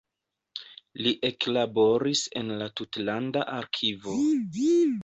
Li eklaboris en la tutlanda arkivo.